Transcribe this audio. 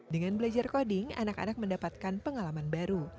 dengan belajar koding anak anak mendapatkan pengalaman baru